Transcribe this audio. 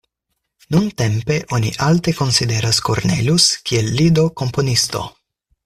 Nuntempe oni alte konsideras Cornelius kiel lido-komponisto.